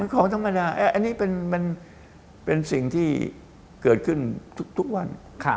ของธรรมดาอันนี้มันเป็นสิ่งที่เกิดขึ้นทุกวัน